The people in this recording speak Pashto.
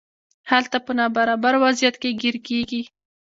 هلته په نابرابر وضعیت کې ګیر کیږي.